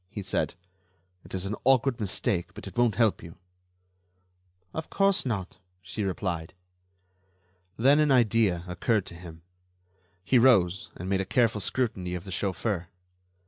he said. "It is an awkward mistake, but it won't help you." "Of course not," she replied. Then an idea occurred to him. He rose and made a careful scrutiny of the chauffeur.